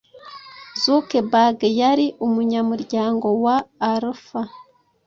Zuckerberg yari umunyamuryango wa Alpha.